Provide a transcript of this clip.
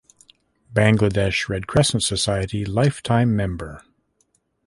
Bangladesh Red Crescent Society Life time Member.